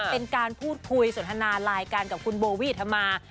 เป็นการพูดพูยสนทนาลายการกับคุณโบวี่ธมา